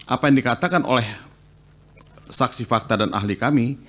apa yang dikatakan oleh saksi fakta dan ahli kami